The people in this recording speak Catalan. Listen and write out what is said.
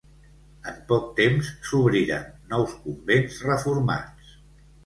En poc temps, s'obriren nous convents reformats.